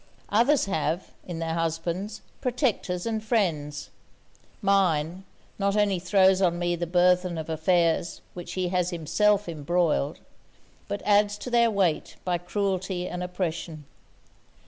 others have, in their husbands, protectors and friends; mine, not only throws on me the burthen of affairs which he has himself embroiled, but adds to their weight by cruelty and oppression.